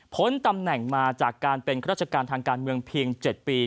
ตำแหน่งมาจากการเป็นราชการทางการเมืองเพียง๗ปี